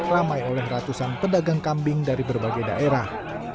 ramai oleh ratusan pedagang kambing dari berbagai daerah